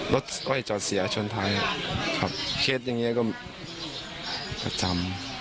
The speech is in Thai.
ก้อยจอดเสียชนท้ายครับเคสอย่างนี้ก็ประจำ